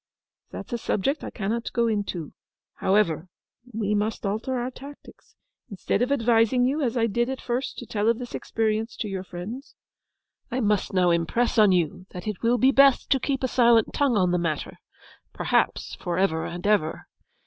'That's a subject I cannot go into. However, we must alter our tactics. Instead of advising you, as I did at first, to tell of this experience to your friends, I must now impress on you that it will be best to keep a silent tongue on the matter—perhaps for ever and ever.